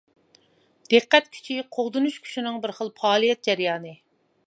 دىققەت كۈچى قوغدىنىش كۈچىنىڭ بىر خىل پائالىيەت جەريانى.